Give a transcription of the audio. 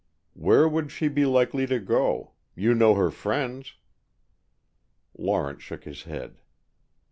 "Where would she be likely to go? You know her friends." Lawrence shook his head.